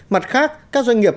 mặt khác các doanh nghiệp